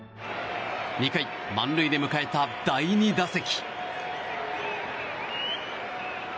２回、満塁で迎えた第２打席。